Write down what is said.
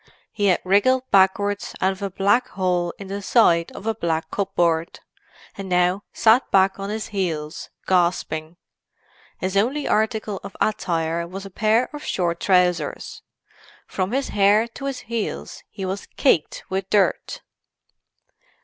He had wriggled backwards out of a black hole in the side of a black cupboard; and now sat back on his heels, gasping. His only article of attire was a pair of short trousers. From his hair to his heels he was caked with dirt.